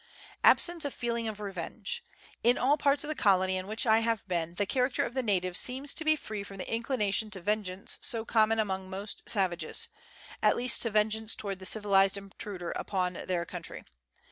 Absence of Feeling of Revenge. In all parts of the colony in which I have been, the character of the natives seems to be free from the inclination to vengeance so common among most savages ; at least to vengeance towards the civilized intruder upon their country.